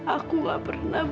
aku gak pernah berniat